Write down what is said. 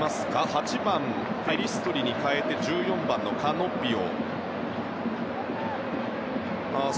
８番、ペリストリに代えて１４番のカノッピオ。